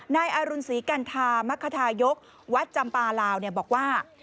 นายอรุณศรีกัณฑามคทายกวัดจำปลาลาวบอกว่า